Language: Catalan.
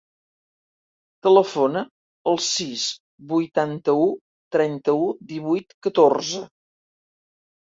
Telefona al sis, vuitanta-u, trenta-u, divuit, catorze.